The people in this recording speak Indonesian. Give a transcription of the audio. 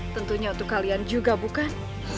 tentunya untuk kalian juga bukan